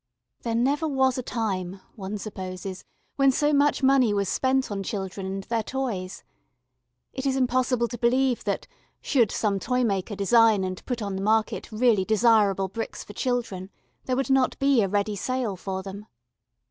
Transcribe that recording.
There never was a time, one supposes, when so much money was spent on children and their toys. It is impossible to believe that, should some toy maker design and put on the market really desirable bricks for children, there would not be a ready sale for them.